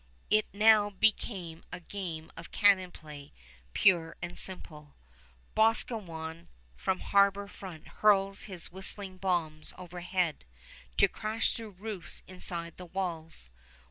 It now became a game of cannon play pure and simple. Boscawen from harbor front hurls his whistling bombs overhead, to crash through roofs inside the walls.